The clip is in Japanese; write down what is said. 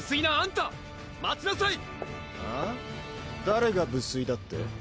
誰が不粋だって？